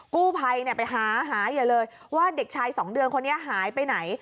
กู้ภัยไปหาหาใหญ่เลยว่าเด็กชาย๒เดือนคนนี้หายไปไหน